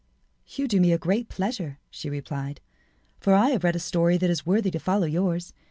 "You do me a great pleasure," she replied, "for I have read a story that is worthy to follow yours.